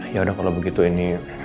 ya udah kalau begitu ini